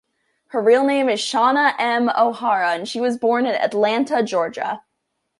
Her real name is Shana M. O'Hara, and she was born in Atlanta, Georgia.